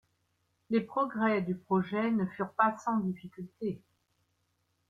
Les progrès du projet ne furent pas sans difficultés.